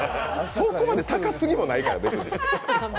そこまで高すぎもないから。